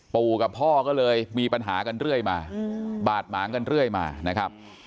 ปู่กับพ่อก็เลยมีปัญหากันเรื่อยมาบาดหมางกันเรื่อยมานะครับ